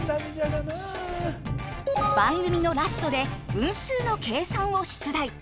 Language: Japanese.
番組のラストで分数の計算を出題。